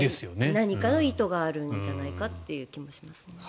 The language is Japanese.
何かの意図があるんじゃなかという気もします。